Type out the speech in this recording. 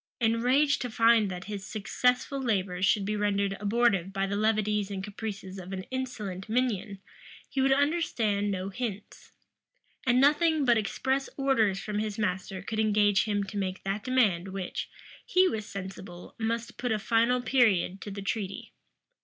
Enraged to find that his successful labors should be rendered abortive by the levities and caprices of an insolent minion, he would understand no hints; and nothing but express orders from his master could engage him to make that demand which, he was sensible, must put a final period to the treaty.